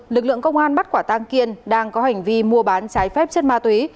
lực lượng công an bắt quả tang kiên đang có hành vi mua bán trái phép chất ma túy